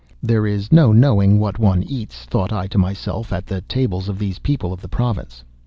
There is no knowing what one eats, thought I to myself, at the tables of these people of the province.